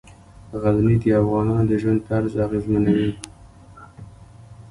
غزني د افغانانو د ژوند طرز اغېزمنوي.